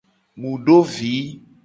Mu do vi.